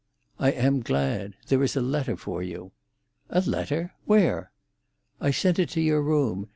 "I am glad. There is a letter for you.' "A letter! Where?" "I sent it to your room.